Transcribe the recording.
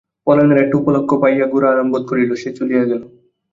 পলায়নের একটা উপলক্ষ পাইয়া গোরা আরাম বোধ করিল, সে চলিয়া গেল।